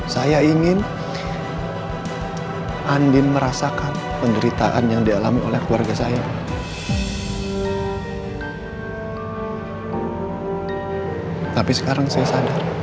saya ingin andin merasakan penderitaan yang dialami oleh keluarga saya